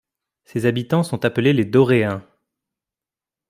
Ses habitants sont appelés les Dorréens.